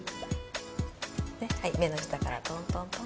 目の下からトントントン。